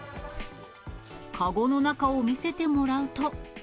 籠の中を見せてもらうと。